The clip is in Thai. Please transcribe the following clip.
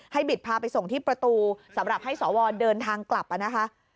บิดพาไปส่งที่ประตูสำหรับให้สวเดินทางกลับนะคะ